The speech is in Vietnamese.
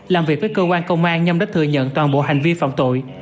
làm việc với cơ quan công an nhâm đã thừa nhận toàn bộ hành vi phạm tội